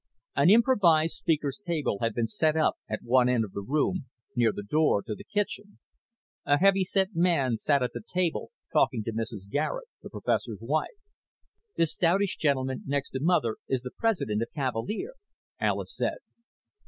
An improvised speaker's table had been set up at one end of the room, near the door to the kitchen. A heavy set man sat at the table talking to Mrs. Garet, the professor's wife. "The stoutish gentleman next to Mother is the president of Cavalier," Alis said.